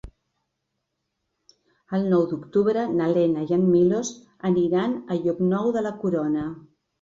El nou d'octubre na Lena i en Milos aniran a Llocnou de la Corona.